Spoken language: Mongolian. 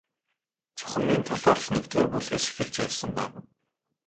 Чухам энэ талаар л нэгдүгээр бүлгээс эхэлж ярьсан байгаа.